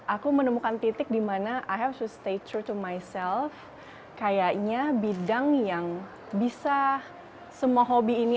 aku menemukan titik dimana i have to stay tour to my self kayaknya bidang yang bisa semua hobi ini